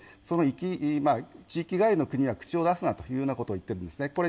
その地域外の国は口を出すなということを言っているんですね。